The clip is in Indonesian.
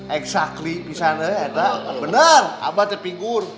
exactly bener abah terpikir